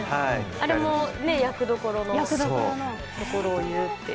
あれも役どころのことを言うという。